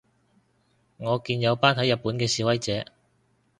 我見有班喺日本嘅示威者